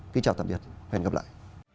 kính chào tạm biệt hẹn gặp lại